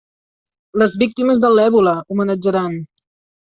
Les víctimes de l'èbola, homenatjaran!